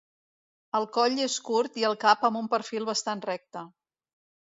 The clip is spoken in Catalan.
El coll és curt i el cap amb un perfil bastant recte.